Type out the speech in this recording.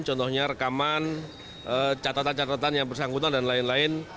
contohnya rekaman catatan catatan yang bersangkutan dan lain lain